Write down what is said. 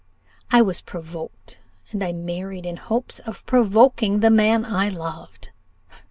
I was provoked, and I married in hopes of provoking the man I loved.